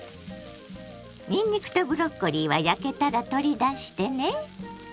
にんにくとブロッコリーは焼けたら取り出してね。